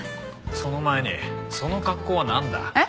その前にその格好はなんだ？えっ？